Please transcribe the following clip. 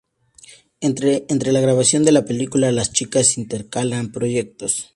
Entre la grabación de la película, las chicas intercalan proyectos.